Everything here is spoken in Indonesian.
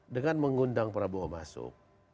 dengan mengundang prabowo masuk